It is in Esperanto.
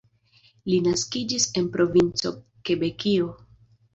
Li naskiĝis en la provinco Kebekio.